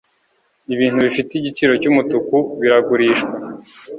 Ibintu bifite igiciro cyumutuku biragurishwa.